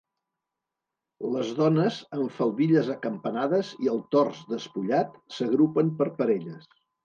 Les dones, amb faldilles acampanades i el tors despullat, s'agrupen per parelles.